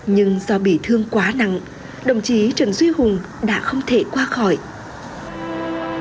nhưng do bị thương quá nặng đồng chí trần duy hùng đã không thể qua khỏi đối tượng